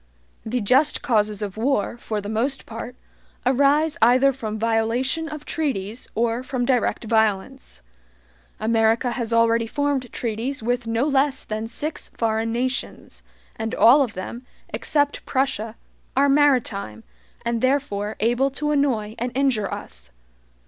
The JUST causes of war, for the most part, arise either from violation of treaties or from direct violence. America has already formed treaties with no less than six foreign nations, and all of them, except Prussia, are maritime, and therefore able to annoy and injure us.